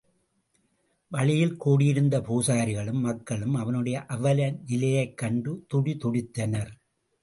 வழியில் கூடியிருந்த பூசாரிகளும், மக்களும் அவனுடைய அவல நிலையைக் கண்டு துடிதுடித்தனர்.